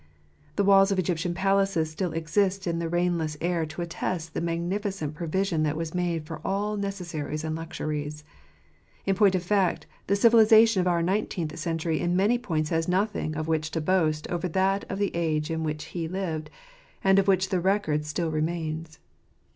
The walls of Egyptian palaces still exist in the rainless air to attest the magnificent provision that was made for all necessaries and luxuries. In point of fact, the civilization of our nineteenth century in many points has nothing of which to boast over that of the age in which he lived, and of which the record still remains.